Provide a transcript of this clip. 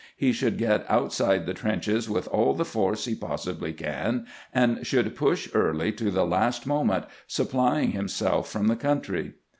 He should get outside the trenches with all the force he possibly can, and should push Early to the last moment, supplying himself from the country."